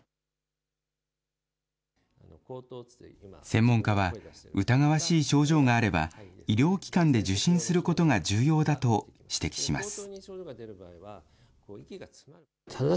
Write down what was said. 専門家は、疑わしい症状があれば、医療機関で受診することが重要だと指摘します。